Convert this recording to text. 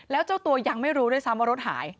แล้วเจ้าตัวยังไม่รู้ด้วยซ้ำว่ารถหาย